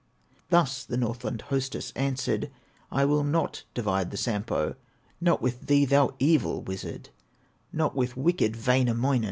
Thus the Northland hostess answered: "I will not divide the Sampo, Not with thee, thou evil wizard, Not with wicked Wainamoinen!"